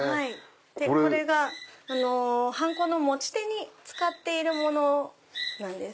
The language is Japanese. これがハンコの持ち手に使っているものなんです。